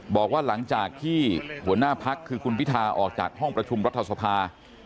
บอกว่าหลังจากที่หัวหน้าพักคือคุณพิธาออกจากห้องประชุมรัฐสภา